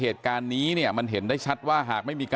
โคศกรรชาวันนี้ได้นำคลิปบอกว่าเป็นคลิปที่ทางตำรวจเอามาแถลงวันนี้นะครับ